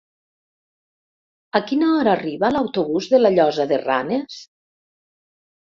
A quina hora arriba l'autobús de la Llosa de Ranes?